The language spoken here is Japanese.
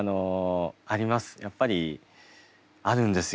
やっぱりあるんですよ。